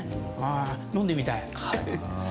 飲んでみたい！